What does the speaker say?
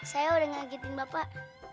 saya udah ngagetin bapak